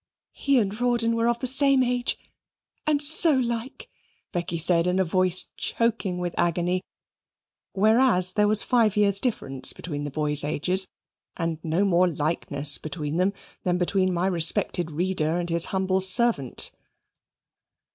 "He and her Rawdon were of the same age, and so like," Becky said in a voice choking with agony; whereas there was five years' difference between the boys' ages, and no more likeness between them than between my respected reader and his humble servant.